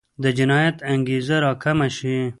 د جنایت انګېزه راکمه شي.